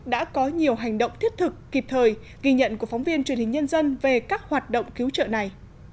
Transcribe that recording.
đã có nhiều hành động thiết thực kịp thời ghi nhận của phóng viên truyền hình nhân dân về các hoạt động cứu trợ này